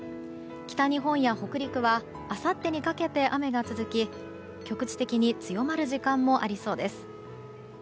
北日本や北陸はあさってにかけて雨が続き局地的に強まる時間もありそうです。